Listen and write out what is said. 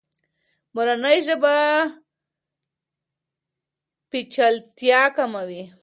مورنۍ ژبه پیچلتیا کموي.